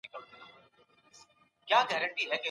دا نيم دئ.